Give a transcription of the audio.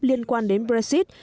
liên quan đến brexit